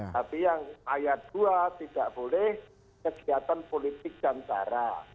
tapi yang ayat dua tidak boleh kegiatan politik dan cara